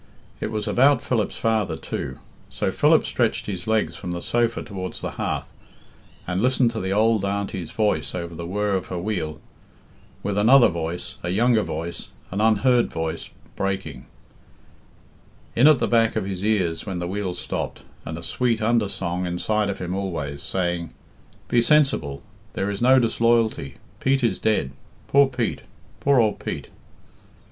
It was about Philip's father, too; so Philip stretched his legs from the sofa towards the hearth, and listened to the old Auntie's voice over the whirr of her wheel, with another voice a younger voice, an unheard voice breaking: in at the back of his ears when the wheel stopped, and a sweet undersong inside of him always, saying, "Be sensible; there is no disloyalty; Pete is dead. Poor Pete! Poor old Pete!"